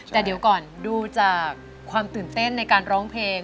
แต่เดี๋ยวก่อนดูจากความตื่นเต้นในการร้องเพลง